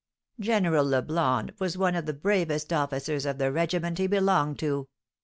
"General Leblond was one of the bravest officers of the regiment he belonged to.